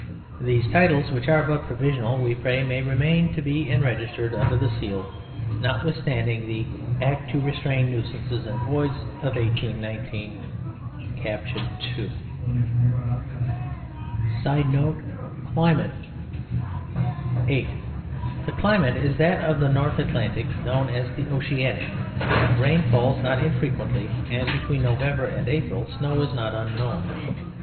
These titles, which are but provisional, we pray may remain and be Enregistered under the seal, notwithstanding the "Act to Restrain Nuisances and Voids" of 1819, Cap. 2. [Sidenote: Climate.] VIII. The climate is that of the North Atlantic known as the "Oceanic." Rain falls not infrequently, and between November and April snow is not unknown.